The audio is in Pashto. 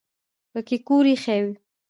پکۍ کور یخوي